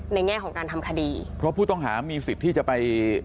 แง่ของการทำคดีเพราะผู้ต้องหามีสิทธิ์ที่จะไป